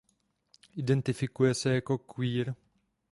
Identifikuje se jako queer.